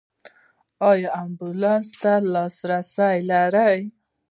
ایا امبولانس ته لاسرسی لرئ؟